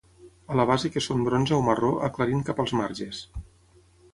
A la base que són bronze o marró, aclarint cap als marges.